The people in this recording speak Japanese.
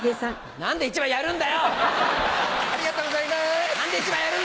何で１枚やるんだよ！